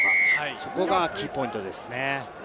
そこがキーポイントですね。